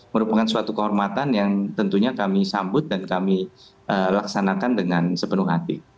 merupakan suatu kehormatan yang tentunya kami sambut dan kami laksanakan dengan sepenuh hati